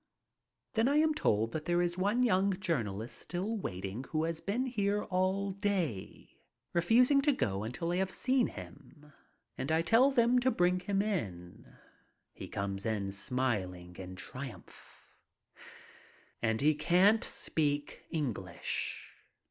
Then I am told that there is one young journalist still waiting who has been here all day, refusing to go until I have seen him. And I tell them to bring him in. He comes in smiling in triumph. And he can't speak English.